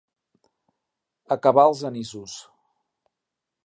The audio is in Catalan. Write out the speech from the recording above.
Acabar els anissos.